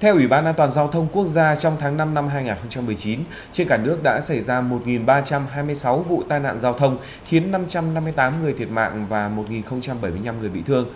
theo ủy ban an toàn giao thông quốc gia trong tháng năm năm hai nghìn một mươi chín trên cả nước đã xảy ra một ba trăm hai mươi sáu vụ tai nạn giao thông khiến năm trăm năm mươi tám người thiệt mạng và một bảy mươi năm người bị thương